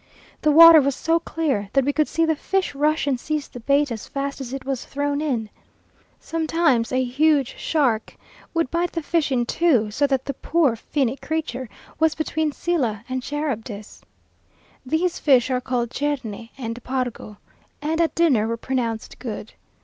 The water was so clear, that we could see the fish rush and seize the bait as fast as it was thrown in. Sometimes a huge shark would bite the fish in two, so that the poor finny creature was between Scylla and Charybdis. These fish are called cherne and pargo, and at dinner were pronounced good.